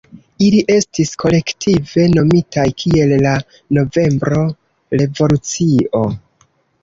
Ili estis kolektive nomitaj kiel la "Novembro Revolucio".